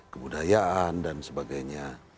kebudayaan dan sebagainya